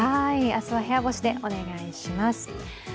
明日は部屋干しでお願いします。